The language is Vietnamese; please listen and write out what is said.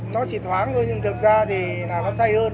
nó chỉ thoáng thôi nhưng thực ra thì là nó xay hơn